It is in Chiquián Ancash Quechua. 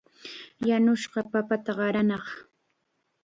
Yanushqa papata qaranaaq.